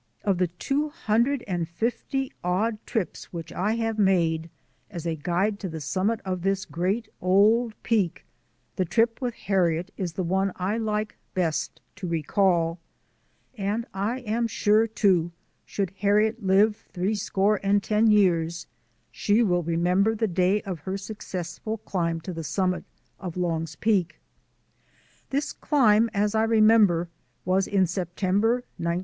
Of the two hundred and fifty odd trips which I made as a guide to the summit of this great old Peak, the trip with Harriet is the one I like best to recall; and I am sure, too, should Harriet live three score and ten years she will remember the day of her successful climb to the summit of Long's Peak. This climb, as I remember, was in September, 1905.